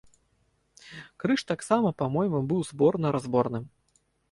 Крыж таксама, па-мойму, быў зборна-разборным.